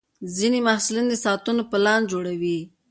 ځینې محصلین د ساعتونو پلان جوړوي.